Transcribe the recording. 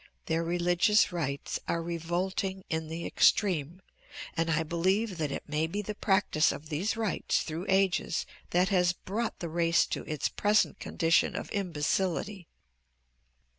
Their religious rites are revolting in the extreme, and I believe that it may be the practice of these rites through ages that has brought the race to its present condition of imbecility.